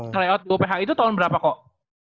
try out di uph itu tahun berapa kok